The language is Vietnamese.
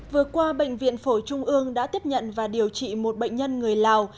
vừa qua bệnh viện phổi trung ương đã tiếp nhận và điều trị một bệnh nhân người lào